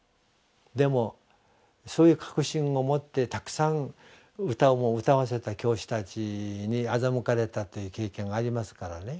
でもそういう確信を持ってたくさん歌も歌わせた教師たちに欺かれたという経験がありますからね